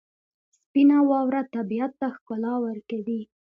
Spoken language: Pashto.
سپینه واوره طبیعت ته ښکلا ورکوي.